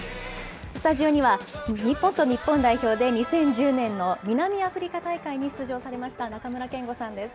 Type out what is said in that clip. スタジオには日本と日本代表で２０１０年の南アフリカ大会に出場されました中村憲剛さんです。